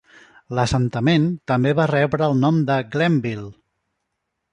L"assentament també va rebre el nom de Glenville.